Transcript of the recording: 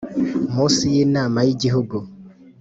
Munsi y inama y igihugu